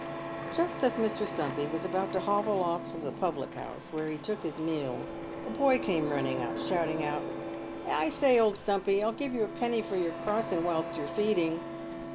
Just as Mr. Stumpy was about to hobble off to the public house where he took his meals, a boy came running up, shouting out, " I say, old Stumpy, I'll give a penny for your crossen whilst you're feeding."